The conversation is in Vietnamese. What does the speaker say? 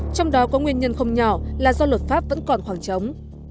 trong đó có nguyên nhân không nhỏ là do luật pháp vẫn còn khoảng trống